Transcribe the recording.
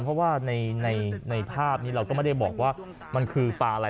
เพราะว่าในภาพนี้เราก็ไม่ได้บอกว่ามันคือปลาอะไร